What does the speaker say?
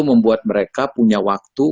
membuat mereka punya waktu